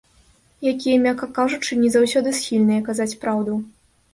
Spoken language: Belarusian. Якія, мякка кажучы, не заўсёды схільныя казаць праўду.